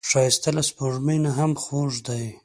ښایست له سپوږمۍ نه هم خوږ دی